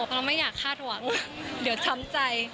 เพราะเราไม่อยากคาดหวังเดี๋ยวช้ำใจ